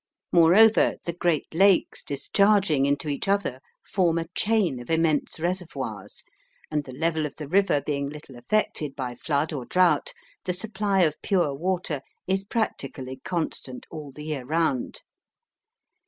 Moreover, the great lakes discharging into each other form a chain of immense reservoirs, and the level of the river being little affected by flood or drought, the supply of pure water is practically constant all the year round.